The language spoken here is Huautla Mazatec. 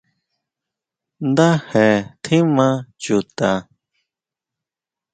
Ndaje tjimajin Chuta.